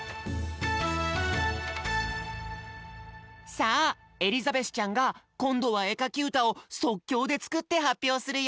さあエリザベスちゃんがこんどはえかきうたをそっきょうでつくってはっぴょうするよ。